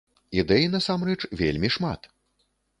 Ідэй, насамрэч, вельмі шмат!